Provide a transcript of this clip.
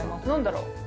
なんだろう？